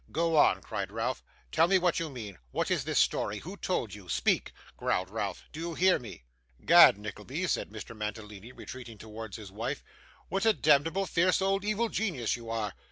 'Go on,' cried Ralph. 'Tell me what you mean. What is this story? Who told you? Speak,' growled Ralph. 'Do you hear me?' ''Gad, Nickleby,' said Mr. Mantalini, retreating towards his wife, 'what a demneble fierce old evil genius you are!